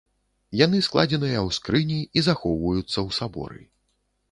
Яны складзеныя ў скрыні і захоўваюцца ў саборы.